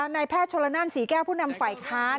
นายแพทย์ชนละนั่นศรีแก้วผู้นำฝ่ายค้าน